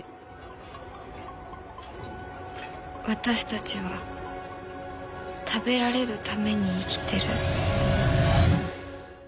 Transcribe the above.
私たちは食べられるために生きてる。